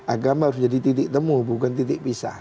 agama harus jadi titik temu bukan titik pisah